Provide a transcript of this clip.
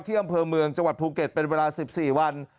ที่อำเภอเมืองจังหวัดภูเก็ตเป็นเวลาสิบสี่วัน